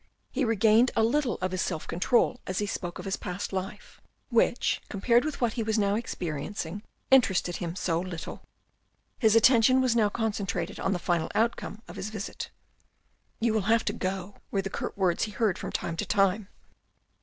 He regained a little of his self control as he spoke of his past life, which compared with what he was now experiencing interested him so little. His attention was now concentrated on the final outcome of of his visit. " You will have to go," were the curt words he heard from time to time.